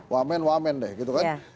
wamen wamen deh gitu kan